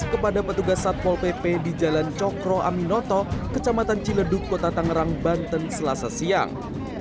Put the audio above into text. kepada petugas satpol pp di jalan cokro aminoto kecamatan ciledug kota tangerang banten selasa siang